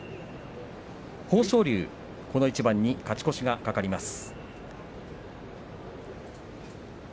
豊昇龍は、この一番に勝ち越しが懸かります。